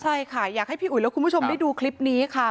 ใช่ค่ะอยากให้พี่อุ๋ยและคุณผู้ชมได้ดูคลิปนี้ค่ะ